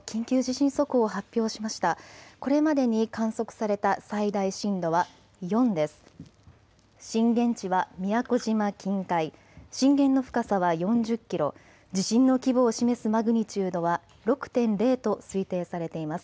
震源地は宮古島近海、震源の深さは４０キロ、地震の規模を示すマグニチュードは６．０と推定されています。